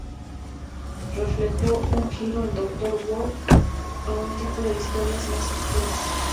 Reflejó un giro en "Doctor Who" a un tipo de historias más oscuras.